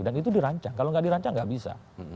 dan itu dirancang kalau tidak dirancang tidak bisa